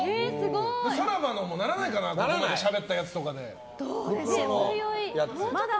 さらばのもならないかなしゃべったやつで。